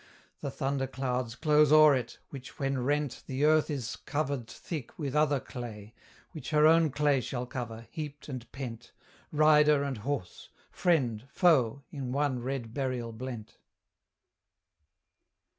The thunder clouds close o'er it, which when rent The earth is covered thick with other clay, Which her own clay shall cover, heaped and pent, Rider and horse, friend, foe, in one red burial blent!